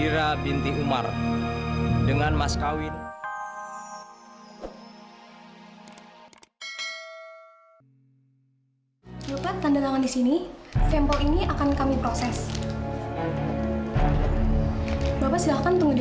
sampai jumpa di video selanjutnya